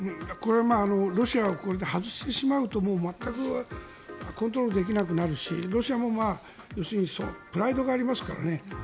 これ、ロシアをこれで外してしまうともう全くコントロールできなくなるしロシアもプライドがありますから。